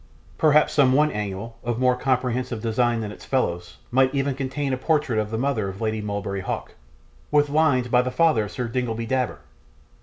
Perhaps some one annual, of more comprehensive design than its fellows, might even contain a portrait of the mother of Lady Mulberry Hawk, with lines by the father of Sir Dingleby Dabber.